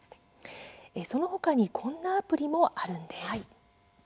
その他にこんなアプリもあるんです。